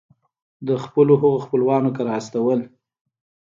د خپلو هغو خپلوانو کره استول.